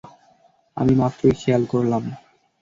আমি মাত্রই খেয়াল করলাম।